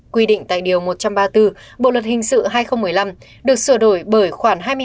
quy định tại điều một trăm ba mươi bốn bộ luật hình sự hai nghìn một mươi năm được sửa đổi bởi khoản hai mươi hai